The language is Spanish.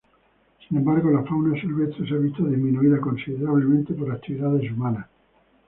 Sin embargo la fauna silvestre se ha visto disminuida considerablemente por actividades humanas.